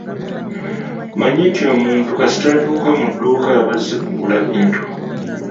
Manya nti omuntu kasita atuuka mu dduuka aba azze kugula bintu.